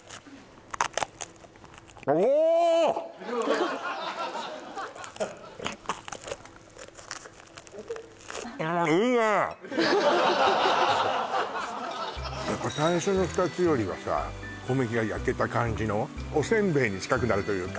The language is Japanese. おっやっぱ最初の２つよりはさ小麦が焼けた感じのおせんべいに近くなるというか